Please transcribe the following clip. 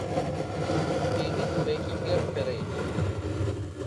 Edit Weckinger-Perényi